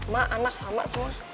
mak anak sama semua